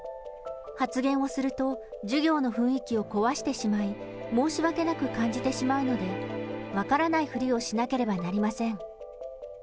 発言をすると、授業の雰囲気を壊してしまい、申し訳なく感じてしまうので、分からないふりをしなければなりません。